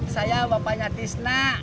saya bapaknya tisna